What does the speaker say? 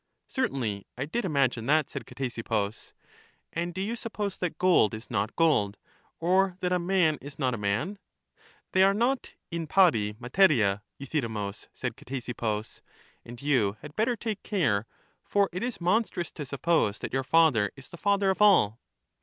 Certainly, I did imagine that, said Ctesippus. And do you suppose that gold is not gold, or that a man is not a man? They are not '' in pari materia" Euthydemus, said Ctesippus, and you had better take care, for it is monstrous to suppose that your father is the father of all.